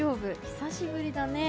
久しぶりだね。